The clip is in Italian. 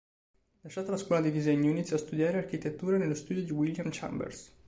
Lasciata la scuola di disegno, iniziò a studiare architettura nello studio di William Chambers.